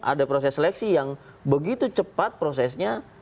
ada proses seleksi yang begitu cepat prosesnya